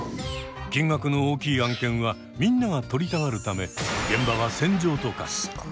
金額の大きい案件はみんなが取りたがるため現場は戦場と化す。